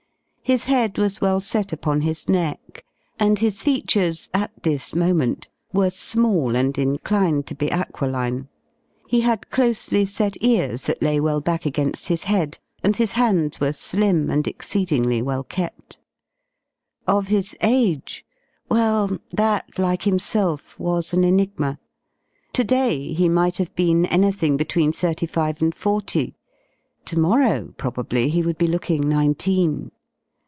His head was well set upon his neck, and his features at this moment were small and inclined to be aquiline. He had closely set ears that lay well back against his head, and his hands were slim and exceedingly well kept. Of his age well that, like himself, was an enigma. To day he might have been anything between thirty five and forty to morrow probably he would be looking nineteen.